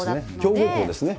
強豪校ですよね。